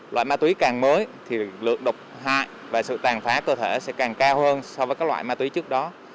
loại ma túy càng mới thì lượng độc hại và sự tàn phá cơ thể sẽ càng cao hơn so với các loại ma túy trước đó